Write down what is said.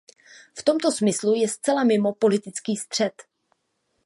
V tomto smyslu je zcela mimo politický střed.